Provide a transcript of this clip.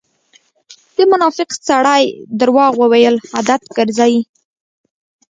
د منافق سړی درواغ وويل عادت ګرځئ.